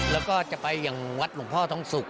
แล้วก็จะไปอย่างวัดหลวงพ่อทองสุก